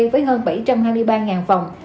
với hơn bảy trăm hai mươi ba phòng